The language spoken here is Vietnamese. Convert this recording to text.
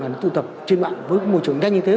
mà nó tụ tập trên mạng với môi trường nhanh như thế